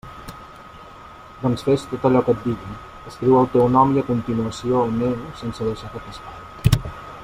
Doncs fes tot allò que et diga: escriu el teu nom i a continuació el meu sense deixar cap espai.